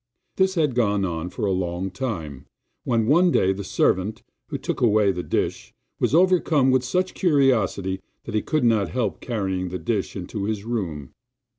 This had gone on for a long time, when one day the servant, who took away the dish, was overcome with such curiosity that he could not help carrying the dish into his room.